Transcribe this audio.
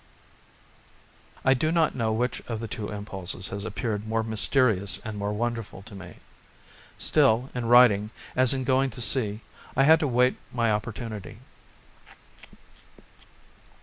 I do not know which of the two impulses has appeared more mysterious and more wonderful to me. Still, in writing, as in going to sea, I had to wait my opportunity.